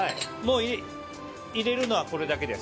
入れるのはこれだけです。